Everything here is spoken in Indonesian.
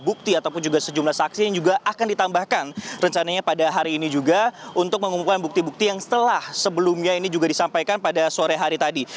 bukti ataupun juga sejumlah saksi yang juga akan ditambahkan rencananya pada hari ini juga untuk mengumpulkan bukti bukti yang setelah sebelumnya ini juga disampaikan pada sore hari tadi